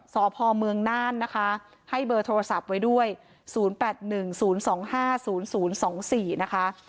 สพเมืองน่านนะคะให้เบอร์โทรศัพท์ไว้ด้วย๐๘๑๐๒๕๐๐๒๔นะคะ